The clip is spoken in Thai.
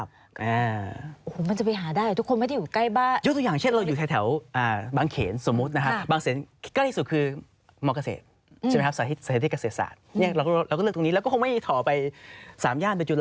โอ้โหมันจะไปหาได้ทุกคนไม่ได้อยู่ใกล้บ้าน